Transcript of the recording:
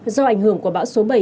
do ảnh hưởng của bão số bảy